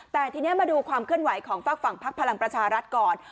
แต่ทีนี้มาดูความเคลื่อนไหวของฝากฝั่งพักพลังประชารัฐก่อน